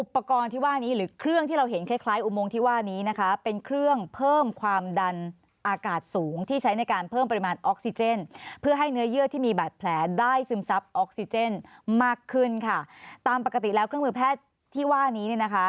ปกติแล้วเครื่องมือแพทย์ที่ว่านี้นะคะ